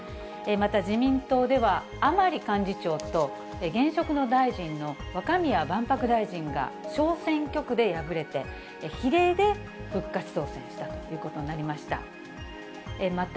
また自民党では、甘利幹事長と、現職の大臣の若宮万博大臣が小選挙区で敗れて、比例で復活当選したということになりました。